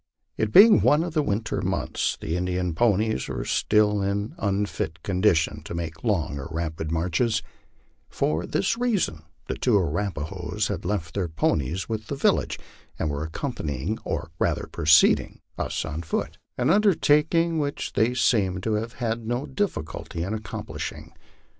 It being ono of the winter months, the Indian ponies were still in unfit condition to make long or rapid marches; for this reason the two Arapahoes had left their ponies with the village, and were accompanying or rather preceding us on foot; an undertaking which they seemed to have no difficulty in accomplishing.